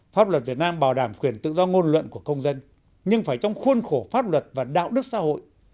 pháp luật việt nam bảo đảm quyền tự do ngôn luận của công dân nhưng phải trong khuôn khổ pháp luật và đạo đức xã hội